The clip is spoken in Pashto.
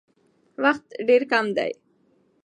وخت ډېر کم دی.